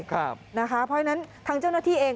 เพราะฉะนั้นทางเจ้าหน้าที่เอง